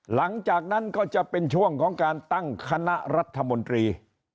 หลังจากนั้นก็จะเป็นช่วงของการตั้งคณะรัฐมนตรี